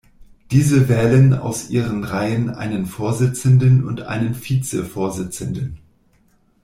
Diese wählen aus ihren Reihen einen Vorsitzenden und einen Vizevorsitzenden.